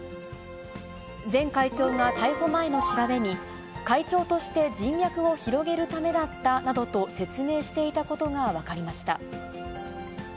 前会長が逮捕前の調べに、会長として人脈を広げるためだったなどと説明していたことが分かりました。